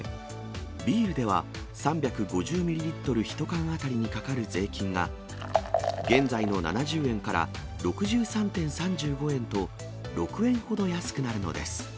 ビールでは３５０ミリリットル１缶当たりにかかる税金が現在の７０円から６３．３５円と、６円ほど安くなるのです。